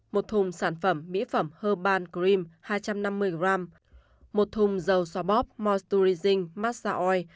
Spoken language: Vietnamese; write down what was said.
một thùng sản phẩm mỹ phẩm herbal cream hai trăm năm mươi g một thùng dầu xoa bóp moisturizing massa oil